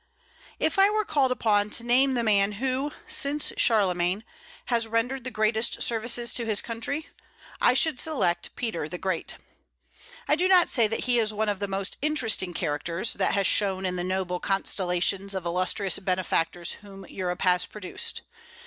If I were called upon to name the man who, since Charlemagne, has rendered the greatest services to his country, I should select Peter the Great. I do not say that he is one of the most interesting characters that has shone in the noble constellations of illustrious benefactors whom Europe has produced.